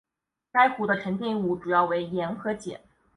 该湖的沉积物主要为盐和碱。